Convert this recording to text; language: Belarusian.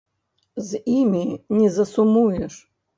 З імі не засумуеш!